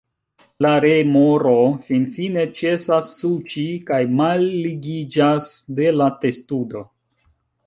La remoro finfine ĉesas suĉi, kaj malligiĝas de la testudo.